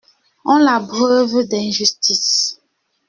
On l'abreuve d'injustices!